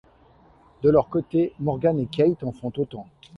De leur côté, Morgan et Kate en font autant.